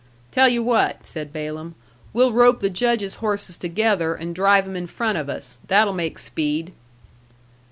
"Tell you what," said Balaam; "we'll rope the Judge's horses together and drive 'em in front of us. That'll make speed."